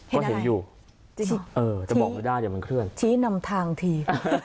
ก็เห็นอยู่เออจะบอกไม่ได้เดี๋ยวมันเคลื่อนชี้นำทางที